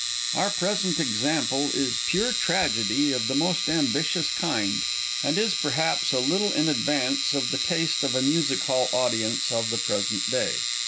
Our present example is pure tragedy of the most ambitious kind, and is, perhaps, a little in advance of the taste of a Music hall audience of the present day.